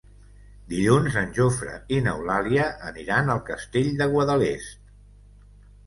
Dilluns en Jofre i n'Eulàlia aniran al Castell de Guadalest.